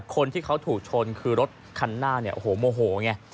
คนที่เขาถูกชนคือรถคันหน้าเนี่ยโอ้โหโมโหไง